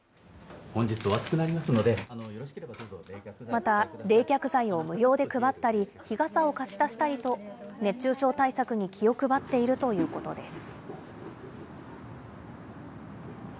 また、冷却剤を無料で配ったり、日傘を貸し出したりと、熱中症対策に気を配っているということです。